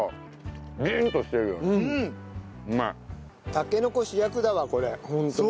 たけのこ主役だわこれホントに。